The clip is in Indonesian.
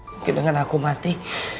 mungkin dengan aku mati